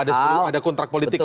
oh ada sepuluh kontrak politik ya